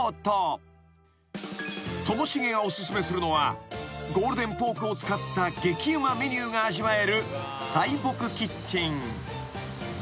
［ともしげがお薦めするのはゴールデンポークを使った激うまメニューが味わえるサイボクキッチン］